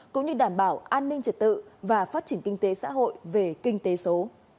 cũng như đảm bảo an ninh trật tự và phát triển kinh tế xã hội về kinh tế số